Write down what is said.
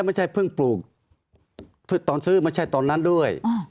ไม่ใช่เพิ่งปลูกตอนซื้อไม่ใช่ตอนนั้นด้วย